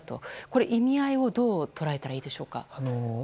これ、意味合いはどう捉えたらいいでしょうか。